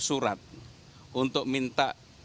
surat untuk minta